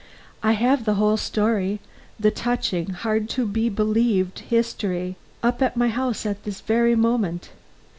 "I have the whole history the touching, hardly to be believed history up at my house at this very moment.